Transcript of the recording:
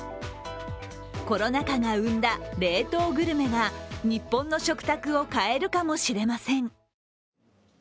コロナ禍が生んだ冷凍グルメが日本の食卓を変えるかもしれません。